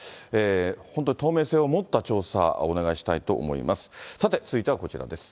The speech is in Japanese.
本当、透明性を持った調査をお願いしたいと思います。